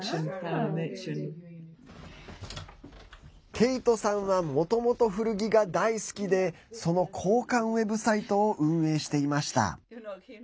ケイトさんはもともと古着が大好きでその交換ウェブサイトを運営していました。